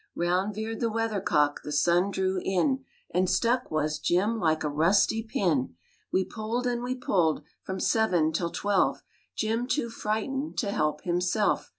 Round veered the weathercock, The sun drew in And stuck was Jim Like a rusty pin. ... We pulled and we pulled From seven till twelve, Jim, too frightened To help himself.